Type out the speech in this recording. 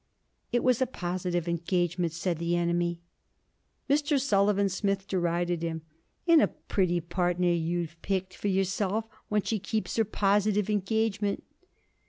'It was a positive engagement,' said the enemy. Mr. Sullivan Smith derided him. 'And a pretty partner you've pickled for yourself when she keeps her positive engagement!'